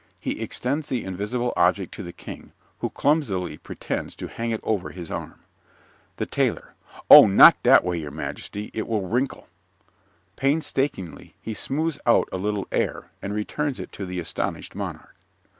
He extends the invisible object to the King, who clumsily pretends to hang it over his arm._) THE TAILOR Oh, not that way, your majesty. It will wrinkle. (_Painstakingly he smooths out a little air and returns it to the astonished monarch.